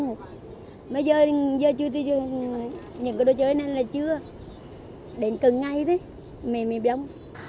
nhưng giờ chưa những cái đồ chơi này là chưa để cần ngay thôi mềm mềm đông